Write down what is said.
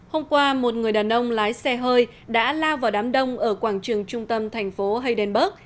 hôm qua một người đàn ông lái xe hơi đã lao vào đám đông ở quảng trường trung tâm thành phố haydenburg